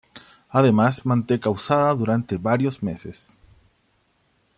Además manteca usada durante varios meses.